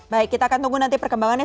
baik kita akan tunggu nanti perkembangannya